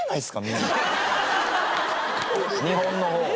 日本の方を。